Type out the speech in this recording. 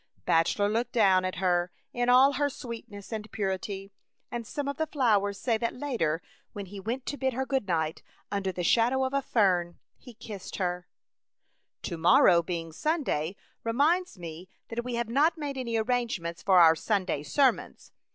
Bachelor looked down at her in all her sweetness and purity, and some of the flowers say that later when he 62 A Chautauqua Idyl. went to bid her good night — under the shadow of a fern — he kissed her. " To morrow being Sunday reminds me that we have not made any ar rangements for our Sunday sermons.